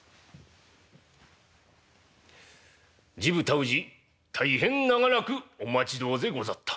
「地武太氏大変長らくお待ち遠でござった」。